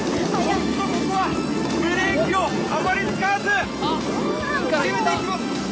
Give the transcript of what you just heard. ここはブレーキをあまり使わずいきます。